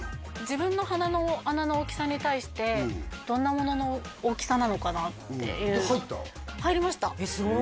自分の鼻の穴の大きさに対してどんなものの大きさなのかなっていうで入った？